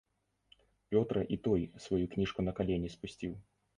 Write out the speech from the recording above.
Пётра і той сваю кніжку на калені спусціў.